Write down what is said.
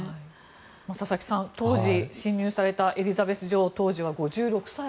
佐々木さん、当時侵入されたエリザベス女王当時は５６歳。